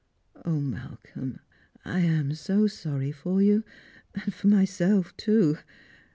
O Malcolm, I am so sorry for you; and for myself, too.